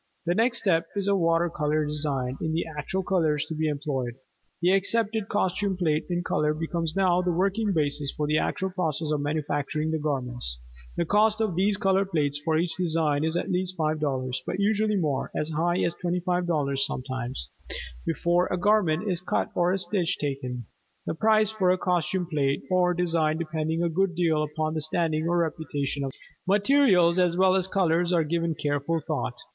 The next step is a water color design in the actual colors to be employed. The accepted costume plate in color becomes now the working basis for the actual process of manufacturing the garments. The cost of these color plates for each design is at least five dollars, but usually more, as high as $25.00 sometimes, before a garment is cut or a stitch taken, the price for a costume plate or design depending a good deal upon the standing or reputation of the designers. Materials as well as colors are given careful thought.